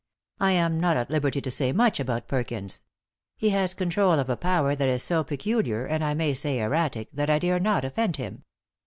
I am not at liberty to say much about Perkins. He has control of a power that is so peculiar, and I may say erratic, that I dare not offend him.